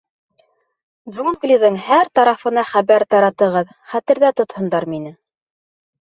Джунглиҙың һәр тарафына хәбәр таратығыҙ — хәтерҙә тотһондар мине.